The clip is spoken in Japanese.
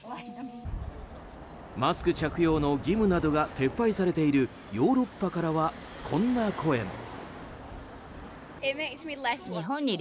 マスク着用の義務などが撤廃されているヨーロッパからはこんな声も。